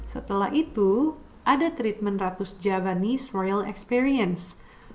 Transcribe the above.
setelah itu ada treatment ratus javanese royal experience